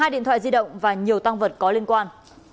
hai điện thoại di động và nhiều tăng vật có liên quan